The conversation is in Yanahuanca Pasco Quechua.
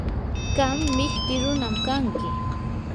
qam mishti runam kanki.